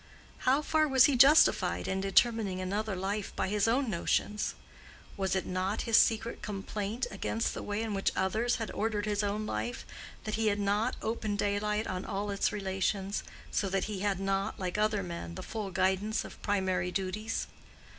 How far was he justified in determining another life by his own notions? Was it not his secret complaint against the way in which others had ordered his own life, that he had not open daylight on all its relations, so that he had not, like other men, the full guidance of primary duties?